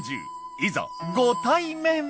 いざご対面！